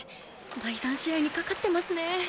第３試合にかかってますね。